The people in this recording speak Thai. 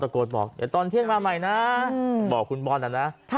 ตะโกนบอกไอ้ตอนเที่ยงมาใหม่นะบอกคุณบอลนะนะค่ะ